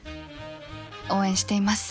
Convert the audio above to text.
応援しています。